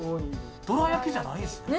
どらやきじゃないんですね。